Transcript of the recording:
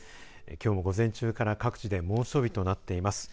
きょうも、午前中から各地で猛暑日となっています。